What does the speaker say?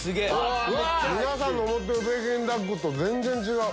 皆さんの思ってる北京ダックと全然違う。